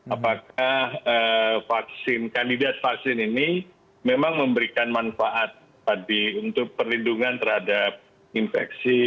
apakah vaksin kandidat vaksin ini memang memberikan manfaat tadi untuk perlindungan terhadap infeksi